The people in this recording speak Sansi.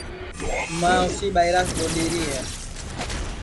ماں اُسی ٻائیراس ٻولیری ہے